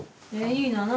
いいな何？